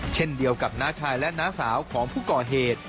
เช่นเดียวกับน้าชายและน้าสาวของผู้ก่อเหตุ